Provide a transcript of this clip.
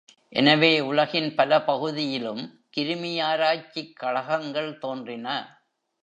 எனவே, உலகின் பல பகுதியிலும் கிருமியாராய்ச்சிக் கழகங்கள் தோன்றின.